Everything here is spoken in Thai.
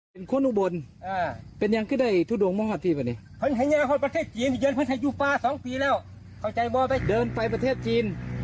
พอเมื่อกี้บอกว่าจะไปไหนนะไปจีน